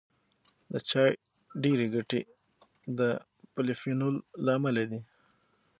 د چای ډېری ګټې د پولیفینول له امله دي.